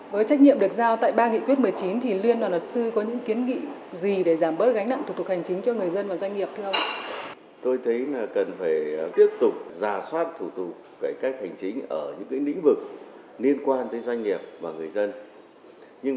với trách nhiệm được giao tại ba nghị quyết một mươi chín thì luyên và luật sư có những kiến nghị gì để giảm bớt gánh nặng thủ tục hành chính cho người dân và doanh nghiệp không